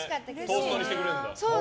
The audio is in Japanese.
トーストにしてくれるんだ。